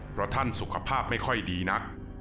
เพราะท่านสุขภาพไม่ค่อยดีนัก